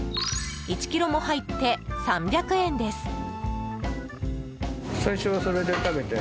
１ｋｇも入って３００円です。